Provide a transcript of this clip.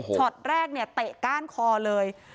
ชอตแรกเตะก้านคอเลย